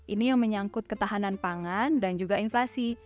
ini yang menyangkut ketahanan pangan dan juga inflasi